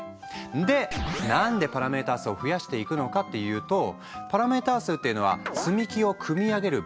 んで何でパラメータ数を増やしていくのかっていうとパラメータ数っていうのは積み木を組み上げるバリエーションのこと。